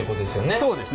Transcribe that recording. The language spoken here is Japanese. そうですね。